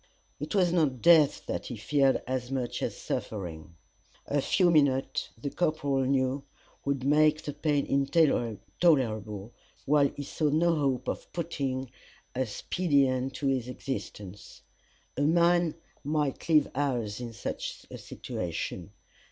It was not death that he feared as much as suffering. A few minutes, the corporal well knew, would make the pain intolerable, while he saw no hope of putting a speedy end to his existence. A man might live hours in such a situation.